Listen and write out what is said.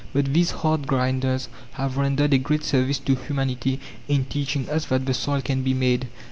But these hard grinders have rendered a great service to humanity in teaching us that the soil can be "made."